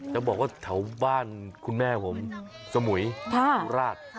จะบอกว่าแถวบ้านคุณแม่ผมสมุยสุราช